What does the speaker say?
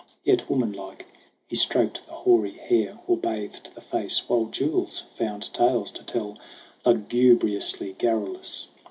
Yet, womanlike, he stroked the hoary hair Or bathed the face; while Jules found tales to tell Lugubriously garrulous.